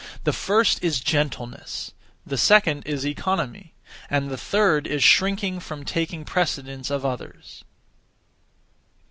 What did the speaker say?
The first is gentleness; the second is economy; and the third is shrinking from taking precedence of others.